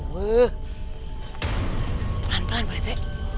pelan pelan pak dite